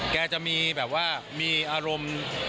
แกจะมีแบบว่ามีอารมณ์